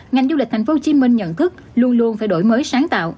ngành du lịch thành phố hồ chí minh nhận thức luôn luôn phải đổi mới sáng tạo